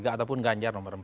ataupun ganjar nomor empat